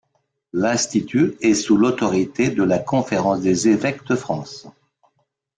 L'Institut est sous l'autorité de la Conférence des évêques de France.